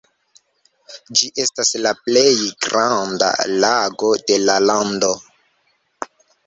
Ĝi estas la plej granda lago de la lando.